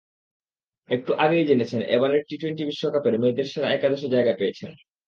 একটু আগেই জেনেছেন, এবারের টি-টোয়েন্টি বিশ্বকাপের মেয়েদের সেরা একাদশে জায়গা পেয়েছেন।